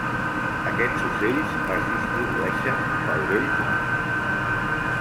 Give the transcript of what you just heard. Aquests ocells es distribueixen pel vell món.